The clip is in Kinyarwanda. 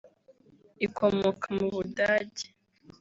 ikomoka mu Budage